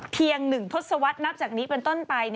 เพียงหนึ่งทศวรรษนับจากนี้เป็นต้นไป